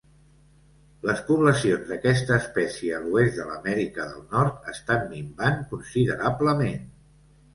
Les poblacions d'aquesta espècie a l'oest de l'Amèrica del Nord estan minvant considerablement.